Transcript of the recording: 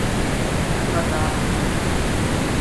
眼訓喇